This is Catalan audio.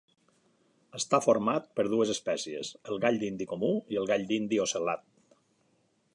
Està format per dues espècies, el gall dindi comú i el gall dindi ocel·lat.